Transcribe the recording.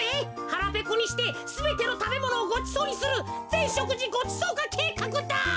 はらぺこにしてすべてのたべものをごちそうにするぜんしょくじごちそうかけいかくだ。